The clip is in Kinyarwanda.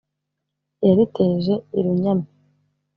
yariteje i runyami.